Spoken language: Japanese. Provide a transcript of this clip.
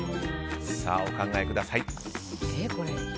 お考えください。